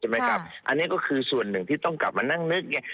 อันนี้ก็คือส่วนหนึ่งที่ต้องกลับมานั่งนึกไง